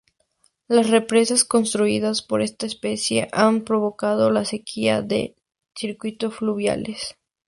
Las represas construidas por esta especie han provocado la sequía de circuitos fluviales.